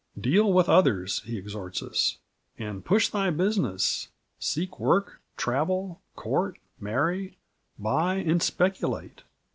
"Deal with others," he exhorts us, "and push thy business, seek work, travel, court, marry, buy and speculate."